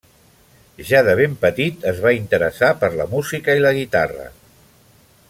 Ja de ben petit es va interessar per la música i la guitarra.